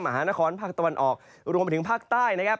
มหานครภาคตะวันออกรวมไปถึงภาคใต้นะครับ